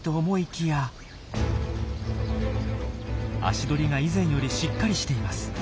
足取りが以前よりしっかりしています。